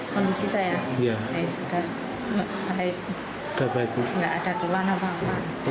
kondisi saya sudah baik tidak ada keluaran apa apa